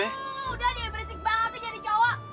aduh udah dia berisik banget nih jadi cowok